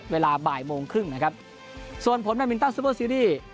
เวลาบ่ายโมงครึ่งนะครับส่วนผลแมนมินตันซูเปอร์ซีรีส์